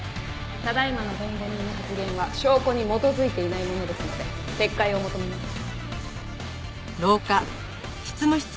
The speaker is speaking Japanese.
ただ今の弁護人の発言は証拠に基づいていないものですので撤回を求めます。